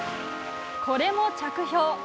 これも着氷。